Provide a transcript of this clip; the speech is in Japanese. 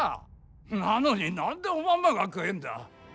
なのに何でおまんまが食えんだら？